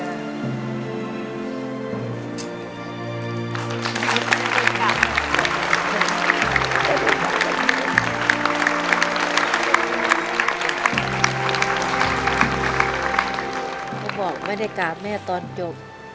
เขาบอกไม่ได้กราบแม่ตอนจบ